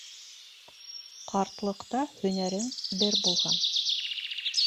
Ҡартлыҡта һөнәрең бер булһын